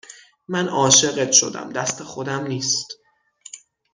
من عاشقت شدم دست خودم نیست